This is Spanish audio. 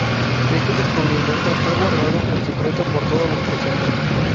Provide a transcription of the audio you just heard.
Este descubrimiento fue guardado en secreto por todos los presentes.